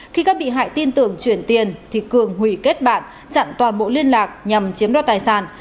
khi các bị hại tin tưởng chuyển tiền thì cường hủy kết bạn chặn toàn bộ liên lạc nhằm chiếm đoạt tài sản